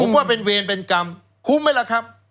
ผมว่าเป็นเวรเป็นกรรมคุ้มไหมล่ะครับ